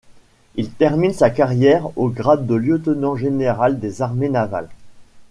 Il termine sa carrière au grade de lieutenant général des armées navales.